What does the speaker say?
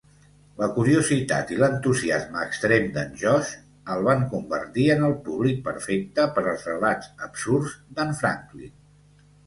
La curiositat i l'entusiasme extrem d'en Josh el van convertir en el públic perfecte per als relats absurds d'en Franklin.